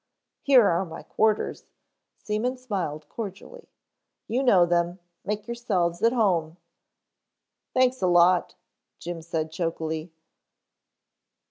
"Here are my quarters," Seaman smiled cordially. "You know them. Make yourselves at home " "Thanks a lot," Jim said chokily.